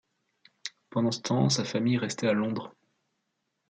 Pendant ce temps, sa famille restait à Londres.